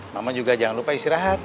mama juga jangan lupa istirahat